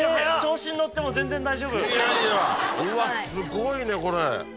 うわすごいねこれ！